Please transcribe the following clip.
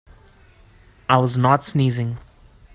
I was not sneezing.